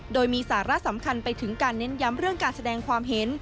โดยมีสาระสำคัญไปถึงการเน้นย้ำเรื่องการแสดงความเห็น